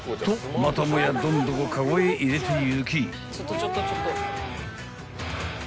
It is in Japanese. またもやどんどこカゴへ入れていき］